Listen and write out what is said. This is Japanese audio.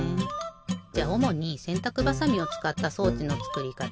じゃおもにせんたくばさみをつかった装置のつくりかた